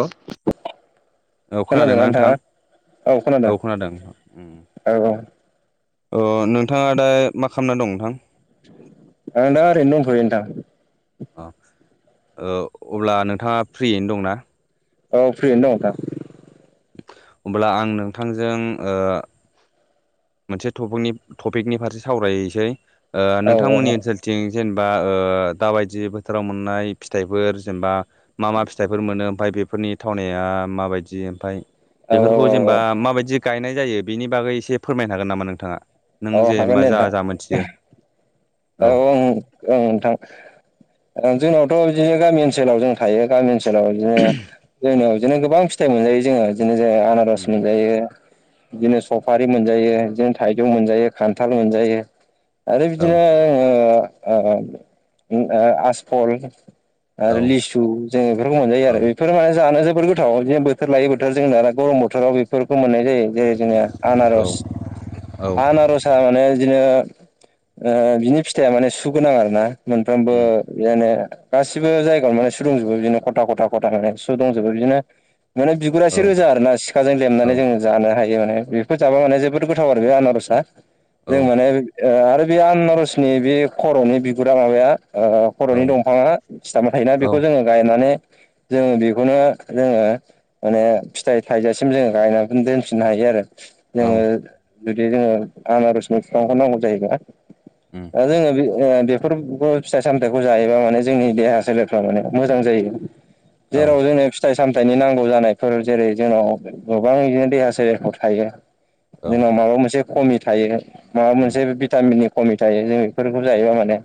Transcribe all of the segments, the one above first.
औ औ खोनादों खोनादोंना ना नोंथाङा? नोंथां औ खोनादों औ औ अ नोंथाङा दा मा खालामना दं नोंथां आं दा ओरैनो दंथयो नोंथां अ अब्ला नोंथाङा फ्रियैनो दंना औ फ्रियैनो दं नोंथां। अब्ला आं नोंथांजों ओ मोनसे टफिक टपिकनि फारसे सावरायसै औ नोंथांमोननि औ ओनसोल थिं जेनेबा दाबायदि बोथोराव मोननाय फिथाइफोर जेनेबा मा मा फिथाइफोर मोनो ओमफ्राय बेफोरनि थावनाया माबायदि ओमफ्राय औ बेफोरखौ औ जेनेबा माबायदि गायनाय जायो बेनि बागै एसे फोरमायनो हागोन नामा नोंथाङा नों औ हागोन जेनेबा दे जा नोंथां जा मोनथियो औ ओं ओं नोंथां जोंनावथ' बिदिनो गामि ओनसोलाव जों थ थायो गामि ओनसोलाव बिदिनो जोंनियाव बिदिनो गोबां फिथाइ मोनजायो जों बिदिनो आनारस आनारस उम मोनजायो बिदिनो सफारि मोनजायो बिदिनो था‌इजौ मोनजायो मोनजायो खान्थाल मोनजायो आरो औ बिदिनो ओ आसफल आरो औ लिसु जों बेफोरखौ मोनजायो आरो औ बे बेफोर माने जानो जोबोर गोथाव बिदिनो बोथोर लायै बोथोर जों दाना गरम बोथोराव बेफोरखौ मोननाय जायो जेरै जोंङो औ आनारस आनारसाआ माने बिदिनो ओ बिनि फिथाइया माने सुगोनां आरो ना मोनफ्रोमबो उम बिदिनो गासिबो जायगायाव माने सु दंजोबो बिदिनो खथा खथा खथा माने सु दंजोबो बिदिनो माने औ बिगुरासो रोजा आरो ना सिखाजों औ लेमनानै जों जानो हायो माने बेफोर जाबा माने जोबोद गोथाव आरो बे आनारस रसा जों माने ओ आरो बे आनारसनि बे खर'नि बिगुरा माबाया ओ औ खर'नि दंफाङा सिथाबना थायोना औ बेखौ जोङो गायनानै जोङो बेखौनो जोङो माने फिथाइ थाइजासिम जोङो गायनानै दोनफिननो हायो आरो जोङो बे जोङो आनारसनि बिफांखौ नांगौ जायो ना उम दा जोङो बे जोङो बेफोर फिथाइ सामथायाइखौ जायोबा माने जोंनि देहा सोलेरफ्रा माने मोजां जायो औ जेराव जोङो फिथाइ सामथायाइनि नांगौ जानायफोर जेरै जोंनाव गोबां बिदिनो देहा सोलेरफ्राव थायो जोंनाव माबा मोनसे खमि थायो माबा उम मोनसे भिटामिननि खमि थायो जोंङो बेफोरखौ जायोबा उम माने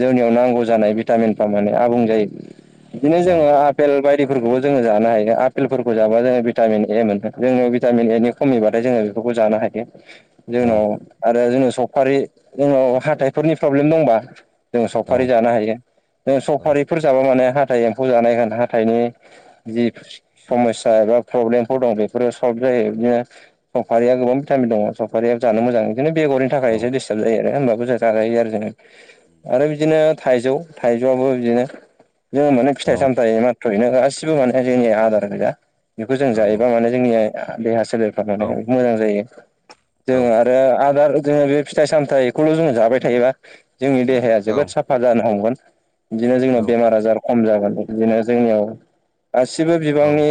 जोंनियाव नांगौ जानाय भिटामिनफ्रा माने आबुं जायो। बिदिनो औ जोङो। आपेल बायदिफोरखौबो जोङो जानो हायो आपेलफोरखौ जाबा जोङो भिटामिन ए मोनो जोंनियाव भिटामिन एनि। खमिबाथाय जोङो बेफोरखौ जानो हायो। औ जोंनाव आरो जोंनाव सपफारि जोंनाव हाथाइफोरनि प्रब्लेम दंबा। जों औ सफारि जानो हायो जों उम सफारि। औ औ बफोर जाबा माने हाथाइ एम्फौ जानायगोन हाथाइनि जि। समस्या एबा प्रब्लेमफोर दं बेफोरो सल्भ जायो बिदिनो सफारिया गोबां भिटामिन दङ। [unintelligible] जानो मोजां बिदिनो बेगरनि थाखाय एसे औ डिस्टाब जायो आरो होनमबाबो जों जाजायो आरो जोङो। औ आरो बिदिनो थाइजौ थाइजौआबो बिदिनो। जोङो माने औ फिथाइ सामथायाइ मत्रयनो गासिबो माने जोंनि आदार गैया उम बेखौ जों औ औ उम औ उम औ उम औ उम जायोबा औ माने। जोंनिया देहा सोलेरफ्रा [unintelligible] मोजां जायो। जोङो आरो आदार जोङो बे फिथाइ सामथायाइखौल' जों जाबाय थायोबा जोंनि देहाया जोबोद साफ जानो हमगोन बिदिनो जोंनाव बेमार आजार खम जागोन बिदिनो जोंनियाव। गासिबो बिबांनि।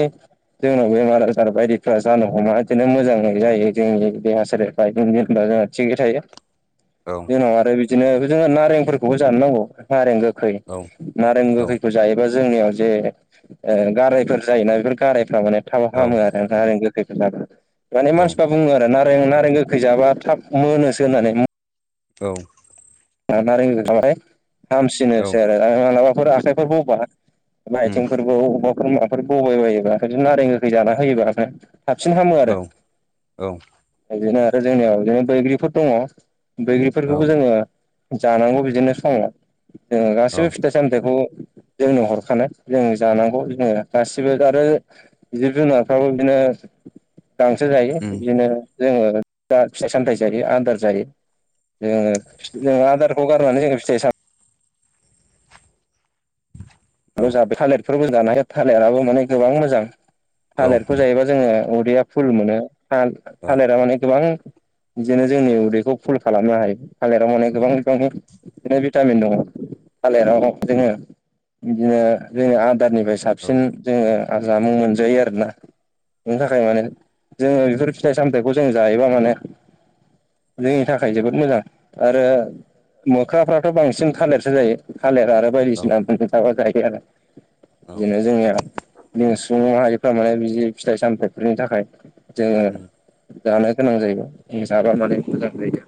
जोंनाव बेमार आजार बायदिफ्रा जानो हमा बिदिनो मोजां जायो जोंनि। देहा सोलेर [unintelligible] थिग थायो। औ। आरो बिदिनो जोङो नारेंफोरखोबो जानो नांगो नारें गोखैखौ जायोबा जोंनियाव जे ओ गारायफोर जायोना बेफोर गारायफ्रा माने थाब हामो आरो। [unintelligible] माने मानसिफ्रा बुङो आरो ना। नारें गोखै जाबा थाब मोनोसो होननानै। औ। [unintelligible] हामसिनोसो आरो मालाबाफोर आखाइफोर बौबा। आइथिंफोरबो अबावमा माबाफोर बौबायबायोबा नारें गोखै जाना होयोबा। साबसिन हामो आरो बिदिनो आरो जोंनियाव बिदिनो बैग्रिफोर दङ। बैग्रिफोरखौबो जोङो जानांगौ बिदिनो समाव जोङो गासिबो फिथाय। सामथाइखौ जोंनो हरखानाय जों जानांगौ जोङो गासिबो आरो। जिब जुनारफ्राबो बिदिनो गांसो जायो बिदिनो। जोङो दा फिथाइ सामथाय जायो आदार जायो जोङो। जों आदारखौ गारनानै जोङो फिथाय सामथाइ। थालिरफोरबो जानो हायो थालिराबो माने गोबां मोजां थालिरखौ जायोबा। जोङो उदैया फुल मोनो था-थालिरा माने गोबां बिदिनो जोंनि उदैखौ फुल खालामनो हायो। थालिराव माने गोबां बिबांनि बिदिनो भिटामिन दङ। थालिराव जोङो बिदिनो जोङो आदारनिफ्राय साबसिन जोङो जामुं मोनजायो आरोना। बिनि थाखाय माने जोङो बेफोर फिथाइ सामथाइखौ जों जायोबा माने जोंनि थाखाय जोबोद मोजां। आरो मोख्राफ्राथ' बांसिन थालिरसो जायो थालिर आरो बायदिसिना मोननो थाबा जायो आरो बिदिनो जोंनिया जों सुबुं माहारिफ्रा माने बिदि फिथाइ सामथाइफोरनि थाखाय जोङो जानो गोनां जायो जाबा माने मोजां जायो।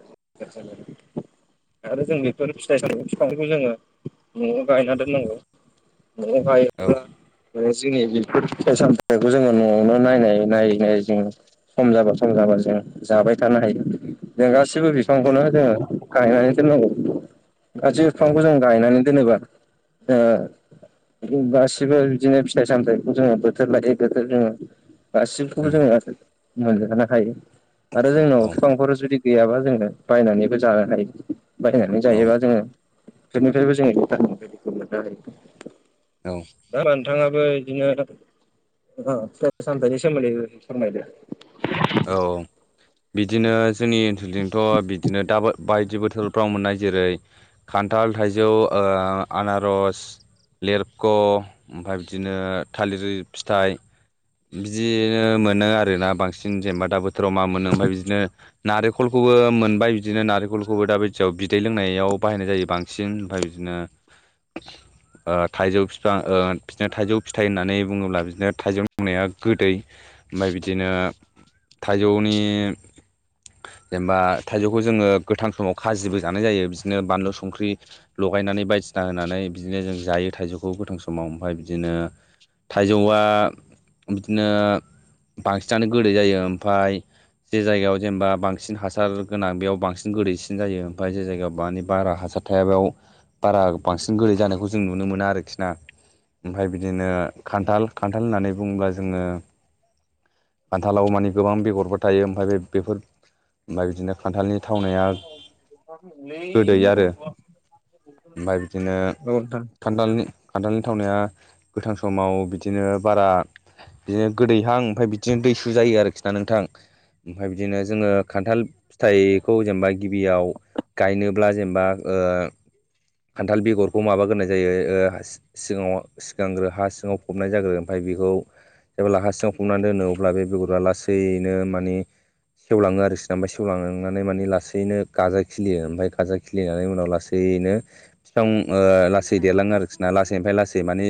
आरो जों बेफोर फिथाइ साम [unintelligible] बिफांखौ जोङो न'आव गायना दोननांगौ। न'आव गायोब्ला ओ जोंनि बेफोर फिथाइ सानथाइखौ जोङो न'आवनो नायै नायै नायै जों सम जाबा सम जाबा जों जाबाय थानो हायो। जों गासिबो बिफांखौनो जोङो गायनानै दोननांगौ गाैबो बिफांखौ जों गायनानै दोनोबा ओ बेखौ गासिबो बिदिनो फिथाइ सामथायखौ जोङो बोथोर लायै बोथोर जोङो गासिखौबो जोङो मोनजानो हायो। आरो जोंनाव बिफांफोर जुदि गैयाबा जोङो बायनानैबो जानो हायो। बायनानै जायोबा जोङो फोरनिफ्रायबो जोङो [unintelligible] मोननो हायो। औ दा नोंथाङाबो बिदिनो फिथाइ सामथाइनि सोमोन्दै फोरमायदो। औ बिदिनो जोंनि ओनसोलथिंथ' बिदिनो दाबो बायदि बोथोरफ्राव मोननाय जेरै खान्थाल, थाइजौ, ओ आनारस लेरख' ओमफाय बिदिनो थालिर फिथाइ बिदिनो मोनो आरोना बांसिन जेनेबा दा बोथोराव मा मोनो ओमफाय बिदिनो नारेखलखौबो मोनबाय बिदिनो नारेखलखौबो दा बिदियाव बिदै लोंनायाव बाहायनाय जायो बां सिन ओमफ्राय बिदिनो ओ थाइजौ बिफां बिदिनो थाइजौ फिथाइ होननानै बुङोब्ला बिदिनो थाइजौ मावनाया गोदै। ओमफ्राय बिदिनो थाइजौनि जेनेबा थाइजौखौ जोङो गोथां समाव खाजिबो जानाय जायो। बिदिनो बानलु संख्रि लगायनानै बायदिसिना होनानै बिदिनो जों जायो थाइजौखौ गोथां समाव। ओमफ्राय बिदिनो थाइजौआ बिदिनो बांसिनानो गोदै जायो ओमफाय जे जायगायाव जेनेबा बांसिन हासार गोनां बेयाव बांसिन गोदैसिन जायो ओमफाय जे जायगायाव मानिे बारा हासार थाया बेयाव बारा बांसिन गोदै जानायखौ जों नुनो मोना आरोखि ना। ओमफाय बिदिनो खान्थाल, खान्थाल होननानै बुङोब्ला जोङो खान्थालाव मानि गोबां बेगरबो थायो ओमफाय बे-बेफोर ओमफाय बिदिनो खान्थालनि थावनाया गोदै औ आरो। ओमफाय बिदिनो नोंथां खान्थालनि खान्थालनि थावनाया गोथां समाव बिदिनो बारा बिदिनो गोदैहां ओमफाय बिदिनो दैसु जायो आरोखि ना नोंथां। ओमफाय बिदिनो जोङो खान्थाल फिथाइखौ जेनेबा गिबियाव गायनोब्ला जेनेबा ओ अखान्थाल बेगरखौ माबागोरनाय जायो सिगाङाव सिगांग्रो हा सिङाव फबनाय जागोरो। ओमफाय बेखौ जेबोब्ला हा सिङाव फबनानै दोनो अब्ला बे बेगरा लासैनो माने सेवलाङो आरोखि ओमफाय सेवांनानै माने लासैनो गाजा खिलियो ओमफाय गाजा खिलिनानै उनाव लासैनो फिफां ओ लासै देरलाङो आरोखि ना लासैनिफ्राय लासै माने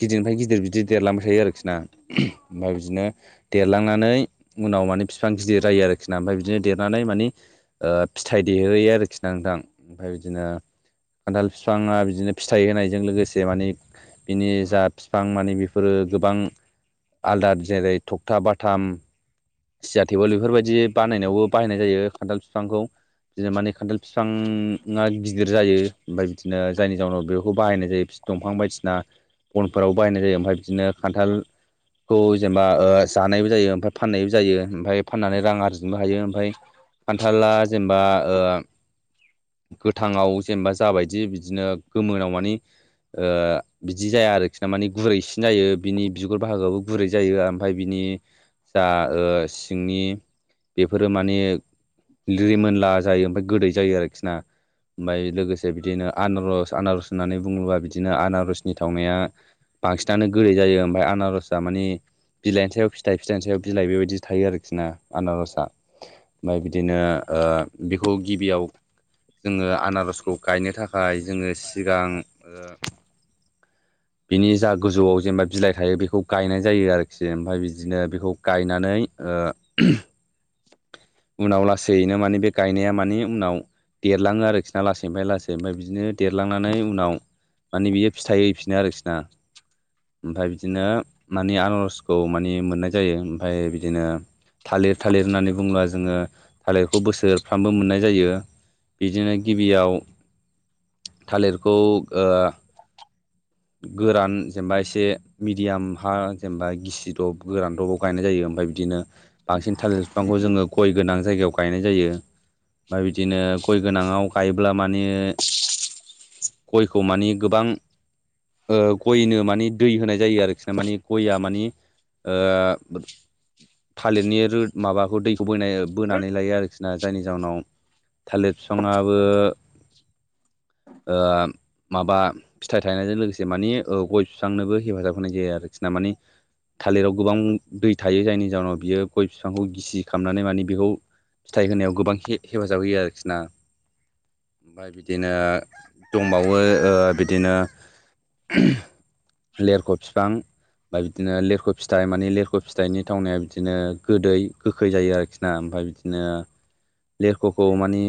गिदिरनिफ्राय गिदिर बिदि देरलांबाय थायो आरोखि ना। ओमफ्राय बिदिनो देरलांनानै उनाव माने बिफां गिदिर जायो आरोखि ना। ओमफफ्राय बिदिनो देरनानै माने ओ फिथाइ देहोयो आरोखि ना नोंथां ओमफ्राय बिदिनो खान्थाल बिफाङा बिदिनो फिथाइ होनायजों लोगोसे माने बिनि जा बिफां माने बेफोरो गोबां आलदा जेरै थखथा बाथाम सियार टेबोल बेफोरबायदि बानायनायावबो बाहायनाय जायो खान्थाल बिफांखौ। बिदिनो माने खान्थाल बिफाङा गिदिर जायो ओमफ्राय बिदिनो जायनि जाउनाव बेखौ बाहायनाय जायो। दंफां बायदिसिना बनफोराव बाहायनाय जायो। ओमफ्राय बिदिनो खान्थाल खौ जेनेबा जानायबो जायो ओमफ्राय फाननायबो जायो। ओमफ्राय फाननानै रां आरजिनोबो हायो। ओमफ्राय खान्थाला जेनेबा ओ गोथाङाव जेनेबा जाबायदि बिदिनो गोमोनाव माने बिदि जाया आरोखि ना माने गुरै सिन जायो बिनि बिगुर बाहागोआवबो गुरै जायो ओमफ्राय बिनि जा ओ सिंनि बेफोरो माने लिरिमोनला जायो ओमफ्राय गोदै जायो आरोखि ना। ओमफ्राय लोगोसे बिदिनो आनारस आनारस होननानै बुङोबा बिदिनो आनारसनि थावनाया बांसिनानो गोदै जायो। ओमफफ्राय आनारसआ मानि बिलाइनि सायाव फिथाइ फिथाइनि सायाव बिलाइ बेबायदि थायो आरोखि ना आनारसा। ओमफ्राय बिदिनो बेखौ गिबियाव जोङो आनारसखौ गायनो थाखाय जोङो सिगां बिनि जा गोजौआव जेनेबा बिलाइ थायो बेखौ गायनाय जायो आरोखि। ओमफ्राय बिदिनो बेखौ गायनानै ओ उनाव लासैनो मानि बे गायनाया माने उनाव देरलाङो आरोखि ना लासैनिफ्राय लासै ओमफ्राय बिदिनो देरलांनानै उनाव माने बियो फिथाइ हैफिनो आरोखि ना। ओमफफ्राय बिदिनो मानि आनारसखौ मानि मोननाय जायो ओमफफ्राय बिदिनो थालिर थालिर होननानै बुङोब्ला जोङो थालिरखौ बोसोरफ्रामबो मोननाय जायो। बिदिनो गिबियाव थालिरखौ गोरान जेनेबा एसे मिडियाम हा जेनेबा गिसिदब गोरानदबाव गायनाय जायो। ओमफफ्राय बिदिनो बांसिन थालिर बिफांखौ जोङो गय गोनां जायगायाव गायनाय जायो। ओमफ्राय बिदिनो गय गोनांआव गायोब्ला माने गयखौ माने गोबां गयनो मानि दै होनाय जायो आरोखि ना मानि गया मानि थालिरनि र माबाखौ दैखौ ब औ बोनानै लायो आरोखि ना जायनि जााहनाव थालिर फिफांयाबो ओ माबा गायनायजों लोगोसे माने गय बिफांनोबो हेफाजाब होनाय जायो आरोखि ना। माने थालिराव गोबां दै थायो जायनि जाहोनाव बियो गय बिफांखौ गिसि खालामनानै माने बेखौ फिथाइ होनायाव गोबां हेफाजाब होयो आरोखि ना। ओमफ्राय बिदिनो दंबावो ओ बिदिनो लेरख' बिफां ओमफफ्राय बिदिनो लिरख' फिथाइ माने लिरख' फिथाइनि थावनाया बिदिनो गोदै गोखै जायो आरोखि ना। ओमफ्राय बिदि नो लेरख'खौ मानि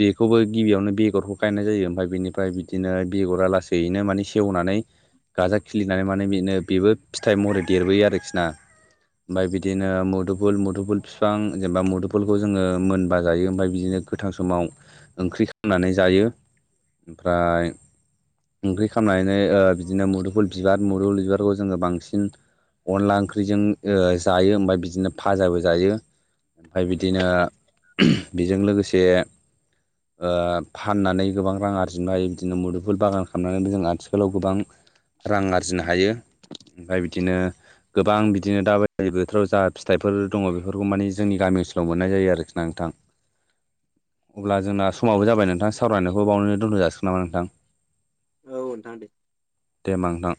बेखौबो गिबियावनो बेगरखौ गायनाय जायो ओमफफ्राय बेनिफ्राय बिदिनो बेगरा लासैयैनो माने सेवनानै गाजा खिलिनानै माने बेनो बेबो फिथाइ महरै देरबोयो आरोखि ना। ओमफफ्राय बिदिनो मुदुफुल मुदुफुल बिफां जेनेबा मुदुफुलखौ जोङो मोनबा जायो ओमफ्राय बिदिनो गोथां समाव ओंख्रि खालामनानै जायो। ओमफ्राय ओंख्रि खालामनानै ओ बिदिनो मुदुफुल बिबार मुदुफल बिबारखौ जोङो बांसिन अनला ओंख्रिजों ओ जायो ओमबा बिदिनो फाजाबो जायो ओमफ्राय बिदिनो बिजों लोगोसे ओ फाननानै गोबां रां आरजि नो हायो बिदिनो मुदुफल बागान खालामनानैबो जों आथिखालाव गोबां रां आरजिनो हायो ओमफ्राय बिदिनो गोबां बिदिनो दा बायदि बोथोराव जा फिथाइफोर दङ बेफोरखौ माने जोंनि गामि ओनसोलाव मोननाय जायो आरोखि ना नोंथां अब्ला जोंना समाबो जाबाय नोंथां सावरायनायखौबो बावनो दोनथ' जासि खोनाबाय नोंथां औ नोंथां दे दे ओमबा नोंथां